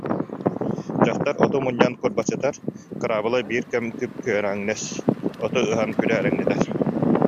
Дьахтар оту мунньан курбачытар, кыраабыла биир кэм күп-күөрэҥнэс, оту ыһан күдээриҥнэтэр